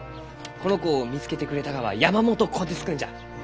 この子を見つけてくれたがは山元虎鉄君じゃ。